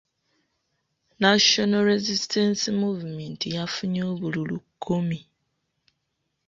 National Resistance Movement yafunye obululu kkumi.